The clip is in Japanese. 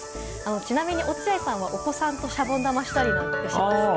ちなみに落合さんは、お子さんとシャボン玉したりしますか？